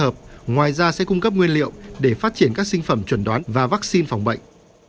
hợp ngoài ra sẽ cung cấp nguyên liệu để phát triển các sinh phẩm chuẩn đoán và vaccine phòng bệnh